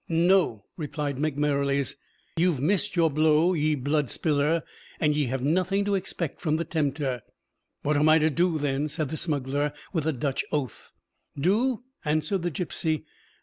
"No," replied Meg Merrilies; "you've missed your blow, ye blood spiller! and ye have nothing to expect from the tempter." "What am I to do, then?" said the smuggler, with a Dutch oath. "Do?" answered the gipsy.